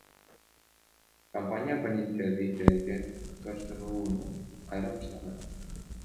Компания абоненттерди Интернетке туташтырууну кайра баштаган.